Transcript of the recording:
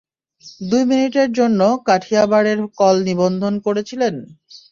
দুই মিনিটের জন্য কাঠিয়াবাড়ের কল নিবন্ধন করেছিলেন?